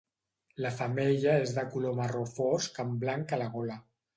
La femella és de color marró fosc amb blanc a la gola.